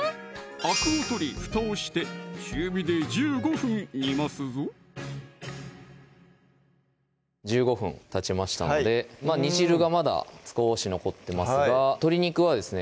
アクを取り蓋をして中火で１５分煮ますぞ１５分たちましたので煮汁がまだ少し残ってますが鶏肉はですね